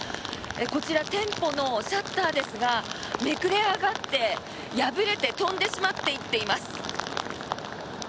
こちら、店舗のシャッターですがめくれ上がって、破れて飛んでしまっていっています。